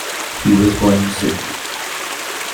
He was born in Sydney.